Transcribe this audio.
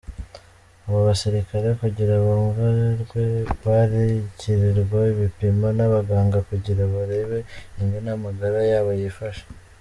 Abo basirikare kugira bavurwe, baragirirwa ibipimo n'abaganga kugira barabe ingene amagara yabo yifashe.